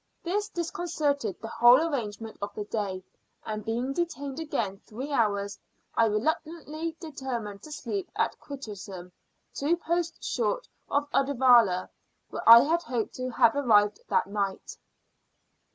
This disconcerted the whole arrangement of the day; and being detained again three hours, I reluctantly determined to sleep at Quistram, two posts short of Uddervalla, where I had hoped to have arrived that night.